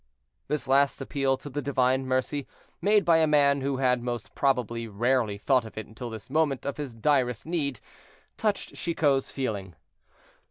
This last appeal to the divine mercy, made by a man who had most probably rarely thought of it until this moment of his direst need, touched Chicot's feeling.